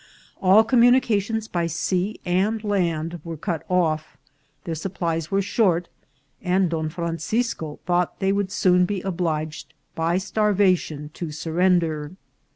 All communi cations by sea and land were cut off, their supplies were short, and Don Francisco thought they would soon be obliged by starvation to surrender.